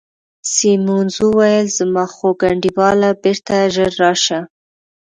سیمونز وویل: زما خوږ انډیواله، بیرته ژر راشه.